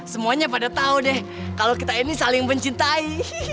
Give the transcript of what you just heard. semuanya pada tahu deh kalau kita ini saling mencintai